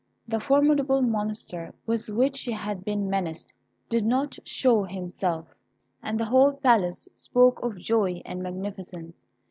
The formidable Monster with which she had been menaced did not show himself, and the whole palace spoke of joy and magnificence.